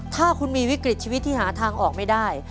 ถ้าคุณมีวิกฤตชีวิตที่หาทางออกไม่ได้